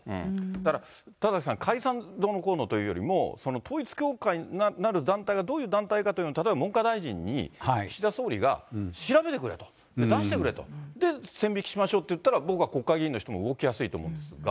だから田崎さん、解散どうのこうのというよりも、統一教会なる団体がどういう団体かというのを例えば文科大臣に岸田総理が、調べてくれと、出してくれと、で、線引きしましょうといったら、僕は国会議員の人も動きやすいと思うんですが。